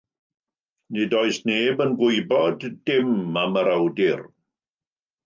Nid oes neb yn gwybod dim am yr awdur.